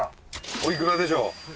おいくらでしょう？